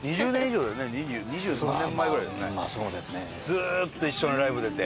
ずっと一緒のライブ出て。